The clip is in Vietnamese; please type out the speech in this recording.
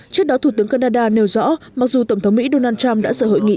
trước đó thủ tướng canada nêu rõ mặc dù tổng thống mỹ đã áp đặt một cách bất công đối với chúng tôi